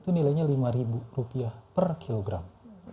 itu nilainya lima ribu rupiah per kilogram